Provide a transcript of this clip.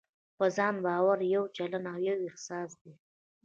په ځان باور يو چلند او يو احساس دی.